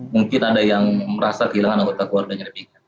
mungkin ada yang merasa kehilangan anggota keluarganya